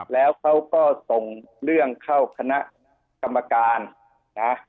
แล้วเขาก็ส่งเรื่องเข้าคณะกรรมการนะ